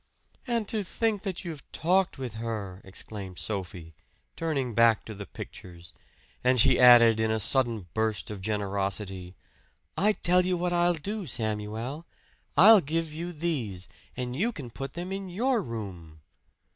"And to think that you've talked with her!" exclaimed Sophie, turning back to the pictures; and she added in a sudden burst of generosity, "I tell you what I'll do, Samuel I'll give you these, and you can put them in your room!"